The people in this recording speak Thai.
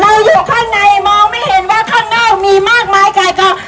อยู่ข้างในมองไม่เห็นว่าข้างนอกมีมากมายไก่เกาะ